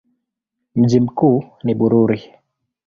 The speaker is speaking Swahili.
Mji mkuu ni Bururi.